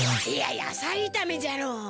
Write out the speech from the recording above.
いや野菜いためじゃろ。